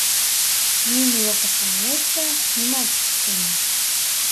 Мин ваҡытлыса снимать иткәйнем.